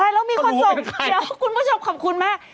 แล้วมีคนส่งเดี๋ยวคุณผู้ชมขอบคุณมาก